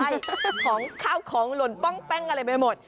ใช่ของข้าวของหล่นป้องแป้งอะไรไปหมด